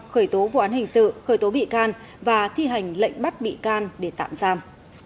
khởi tố vụ án hình sự khởi tố bị can và thi hành lệnh bắt bị can để tạm giam